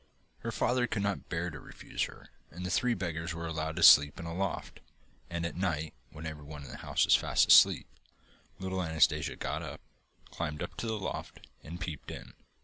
Her father could not bear to refuse her, and the three beggars were allowed to sleep in a loft, and at night, when everyone in the house was fast asleep, little Anastasia got up, climbed up to the loft, and peeped in.